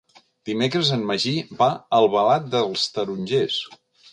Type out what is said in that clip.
Dimecres en Magí va a Albalat dels Tarongers.